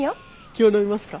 今日飲みますか？